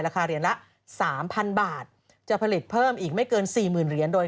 เหรียญละ๓๐๐๐บาทจะผลิตเพิ่มอีกไม่เกิน๔๐๐๐เหรียญโดย